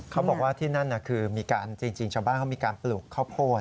เขาบอกว่าที่นั่นคือมีการจริงชาวบ้านเขามีการปลูกข้าวโพด